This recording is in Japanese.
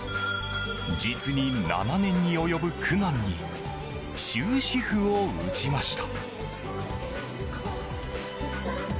実に７年に及ぶ苦難に終止符を打ちました。